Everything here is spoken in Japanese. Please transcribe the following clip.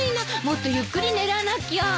もっとゆっくり練らなきゃ。